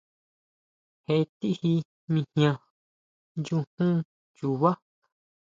Je tiji mijian, nyujún chubá.